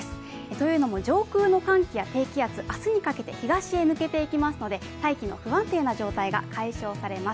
というのも上空の寒気や低気圧が明日にかけて東へ抜けていきますので、大気の不安定な状態が解消されます。